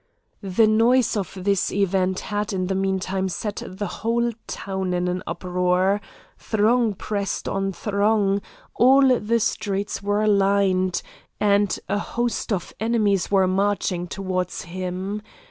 The noise of this event had in the meanwhile set the whole town in an uproar; throng pressed on throng, all the streets were lined, and a host of enemies were marching towards him.